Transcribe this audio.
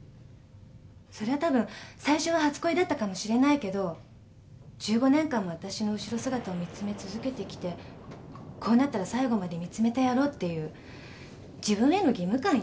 それはたぶん最初は初恋だったかもしれないけど１５年間もあたしの後ろ姿を見つめ続けてきてこうなったら最後まで見つめてやろうっていう自分への義務感よ。